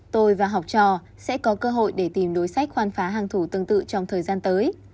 tôi và học trò sẽ có cơ hội để tìm đối sách khoan phá hàng thủ tương tự trong thời gian tới